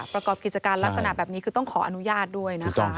ประกอบกิจการลักษณะแบบนี้คือต้องขออนุญาตด้วยนะคะ